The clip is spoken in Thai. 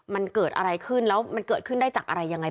มันเกิดอะไรขึ้นแล้วมันเกิดขึ้นได้จากอะไรยังไง